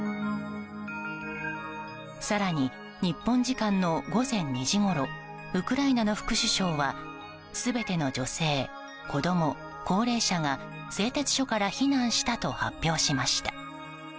更に日本時間午前２時ごろウクライナの副首相は全ての女性、子供、高齢者が製鉄所から避難したと発表しました。